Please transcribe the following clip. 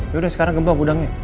yaudah sekarang kembang kudangnya